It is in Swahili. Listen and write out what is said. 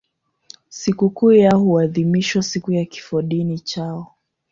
Sikukuu yao huadhimishwa siku ya kifodini chao.